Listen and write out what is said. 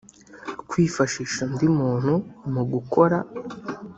kwifashisha undi muntu mu gukora